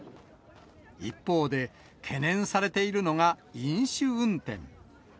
一方で、懸念されているのが飲酒運転。